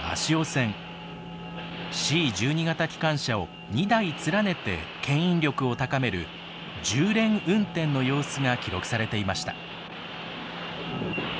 Ｃ１２形機関車を２台連ねてけん引力を高める重連運転の様子が記録されていました。